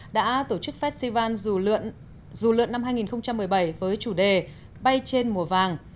đã tổ chức festival dù lượn năm hai nghìn một mươi bảy với chủ đề bay trên mùa vàng